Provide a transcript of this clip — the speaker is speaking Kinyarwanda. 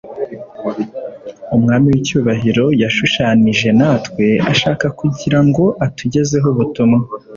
Umwami w'icyubahio yishushanije natwe ashaka kugira ngo atugezeho ubutumwa